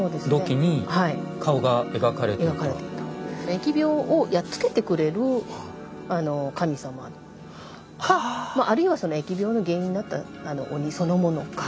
疫病をやっつけてくれる神様かあるいはその疫病の原因になった鬼そのものか